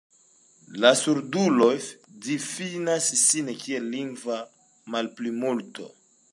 La surduloj difinas sin kiel lingva malplimulto.